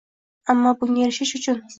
Ammo bunga erishish uchun